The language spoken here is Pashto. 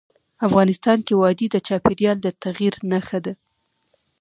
افغانستان کې وادي د چاپېریال د تغیر نښه ده.